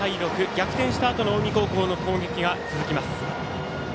逆転したあとの近江高校の攻撃が続きます。